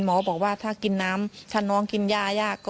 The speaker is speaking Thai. บอกว่าถ้ากินน้ำถ้าน้องกินยายากก็